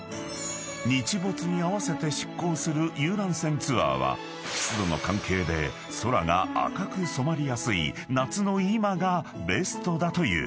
［日没に合わせて出港する遊覧船ツアーは湿度の関係で空が赤く染まりやすい夏の今がベストだという］